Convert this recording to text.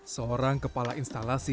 seorang kepala instalasi